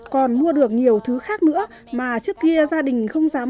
còn mua được nhiều thứ khác nữa mà trước kia gia đình không dám mua